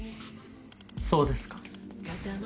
そうですか。